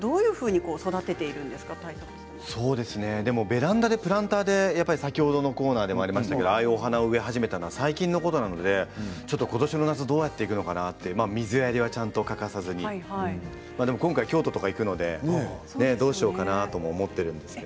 ベランダでプランターで先ほどのコーナーもありましたけれどああいうお花を植え始めたのは最近のことですのでことしの夏、水やりは欠かさずに今回、京都も行きますのでどうしようかなと思っています。